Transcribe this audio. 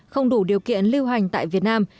không đủ điều kiện lưu hành tại việt nam